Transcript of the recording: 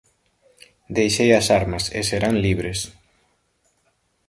Deixei as armas e serán libres".